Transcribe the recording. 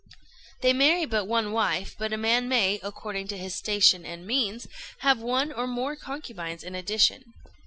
They marry but one wife; but a man may, according to his station and means, have one or more concubines in addition.